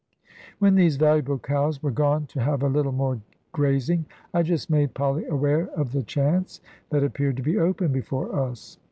When these valuable cows were gone to have a little more grazing, I just made Polly aware of the chance that appeared to be open before us.